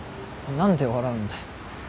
何で笑うんだよ。